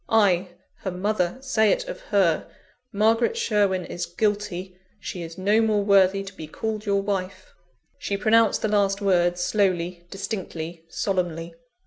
I, her mother, say it of her: Margaret Sherwin is guilty; she is no more worthy to be called your wife." She pronounced the last words slowly, distinctly, solemnly.